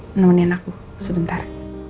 menemani anakku sebentar